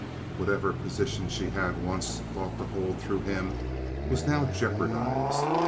Whatever position she had once thought to hold through him, was now jeopardized.